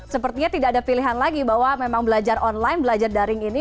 sepertinya tidak ada pilihan lagi bahwa memang belajar online belajar daring ini